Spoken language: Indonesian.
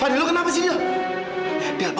fadil lu kenapa sih dia